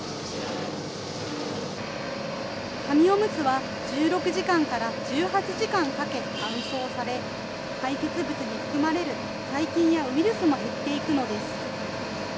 紙おむつは１６時間から１８時間かけ乾燥され、排せつ物に含まれる細菌やウイルスも減っていくのです。